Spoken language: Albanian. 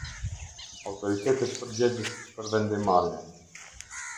Autoritetet përgjegjës për vendimmarrje.